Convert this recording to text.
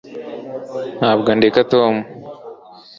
Ntabwo ndeka Tom